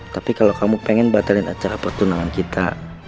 tapi kalau kamu pengen batalin acara pertunangan kita